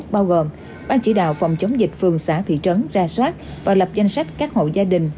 bao gồm ban chỉ đạo phòng chống dịch phường xã thị trấn ra soát và lập danh sách các hộ gia đình